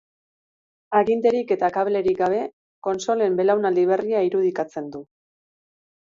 Aginterik eta kablerik gabe, kontsolen belaunaldi berria irudikatzen du.